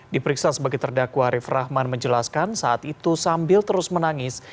diperiksa sebagai terdakwa arief rahman menjelaskan saat itu sambil terus menangis